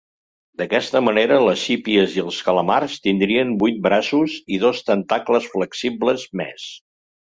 D'aquesta manera les sípies i els calamars tindrien vuit braços i dos tentacles flexibles més.